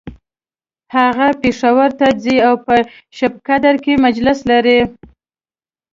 هغه پیښور ته ځي او په شبقدر کی مجلس لري